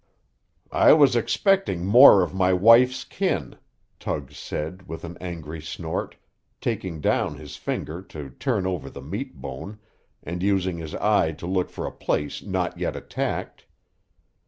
"I was expecting more of my wife's kin," Tug said, with an angry snort, taking down his finger to turn over the meat bone, and using his eye to look for a place not yet attacked.